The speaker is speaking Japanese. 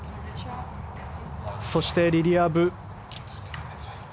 そして、リリア・ブ。